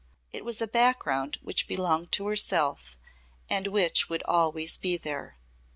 It was a background which belonged to herself and which would always be there.